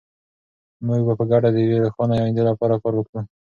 موږ به په ګډه د یوې روښانه ایندې لپاره کار وکړو.